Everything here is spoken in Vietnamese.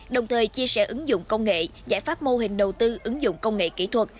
đồng thời chia sẻ ứng dụng công nghệ giải pháp mô hình đầu tư ứng dụng công nghệ kỹ thuật